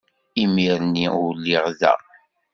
Imir-nni ur lliɣ da.